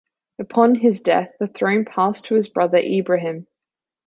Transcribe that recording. Upon his death, the throne passed to his brother Ibrahim.